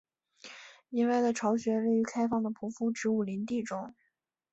野外的巢穴位于开放的匍匐植物林地中。